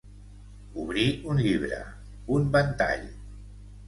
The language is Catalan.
Obrir un llibre, un ventall.